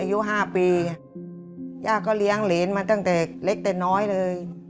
อายุ๕ปีย่าก็เลี้ยงเหรนมาตั้งแต่เล็กแต่น้อยเลย